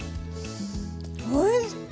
おいしい。